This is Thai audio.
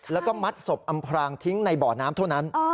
แล้วก็มัดศพอำพรางทิ้งในบ่อน้ำเท่านั้น